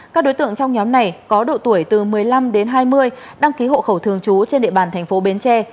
các đối tượng trong nhóm này có độ tuổi từ một mươi năm đến hai mươi đăng ký hộ khẩu thường chú trên địa bàn tp bến tre